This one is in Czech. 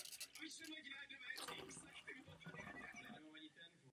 Paris si byl vědom své odpovědnosti a odvážně se postavil soupeři.